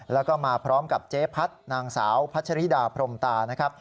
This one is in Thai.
แล้วก็มาพร้อมกับเจ๊พัฒน์นางสาวพัชริดาพรมตา